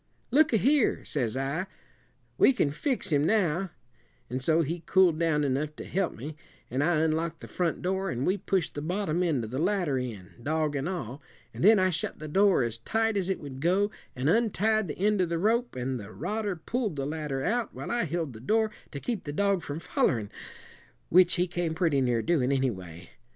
'Look a here,' says I, 'we can fix him now;' and so he cooled down enough to help me, and I unlocked the front door, and we pushed the bottom end of the ladder in, dog and all; an' then I shut the door as tight as it would go an' untied the end of the rope, an' the rodder pulled the ladder out while I held the door to keep the dog from follerin', which he came pretty near doin', anyway.